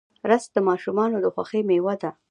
رس د ماشومانو د خوښۍ میوه ده